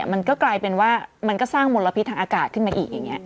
มันก็กลายเป็นว่ามันก็สร้างมลพิษทางอากาศขึ้นมาอีกอย่างนี้